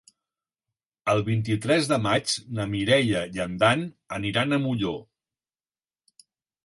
El vint-i-tres de maig na Mireia i en Dan aniran a Molló.